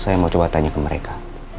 saya mau coba tanya ke mereka